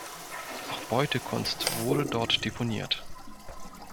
Auch Beutekunst wurde dort deponiert.